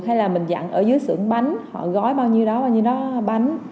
hay là mình dặn ở dưới sưởng bánh họ gói bao nhiêu đó bao nhiêu nó bánh